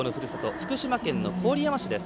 福島県の郡山市です。